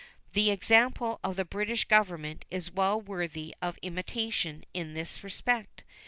The example of the British Government is well worthy of imitation in this respect.